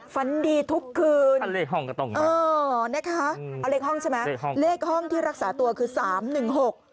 ฝันดีทุกคืน